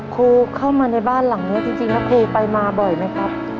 ครูเข้ามาในบ้านหลังนี้จริงแล้วครูไปมาบ่อยไหมครับ